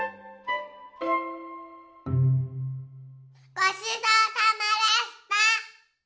ごちそうさまでした。